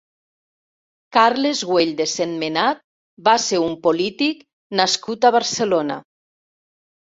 Carles Güell de Sentmenat va ser un polític nascut a Barcelona.